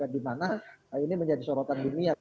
dimana ini menjadi sorotan dunia